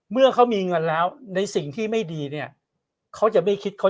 เมื่อเขามีเงินแล้วในสิ่งที่ไม่ดีเนี่ยเขาจะไม่คิดเขา